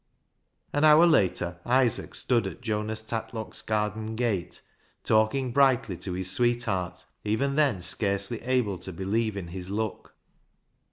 An hour later, Isaac stood at Jonas Tatlock's garden gate, talking brightly to his sweet heart, even then scarcely able to believe in his luck.